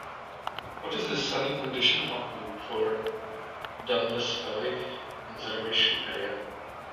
what is the sunny condition outlook for Dundas Valley Conservation Area